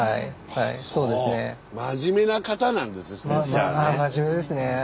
ただ真面目ですね。